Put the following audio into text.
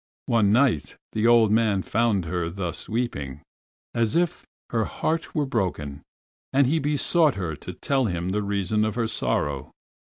One night the old man found her thus weeping as if her heart were broken, and he besought her to tell him the reason of her sorrow.